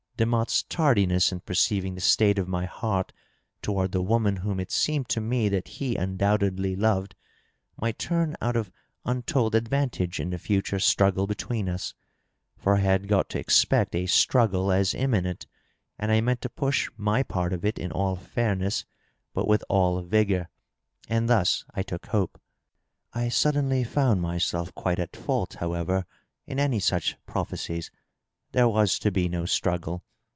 Demotte's tar diness in perceiving the state of my heart toward the woman whom it seemed to me that he undoubtedly loved, might turn out of untold ad vantage in the future struggle between us ; for I had got to expect a struggle as imminent, and I meant to push my part of it in all fairness but with all vigor. And thus I took hope. I suddenly found myself quite at fault, however, in any such prophe cies. There was to be no struggle.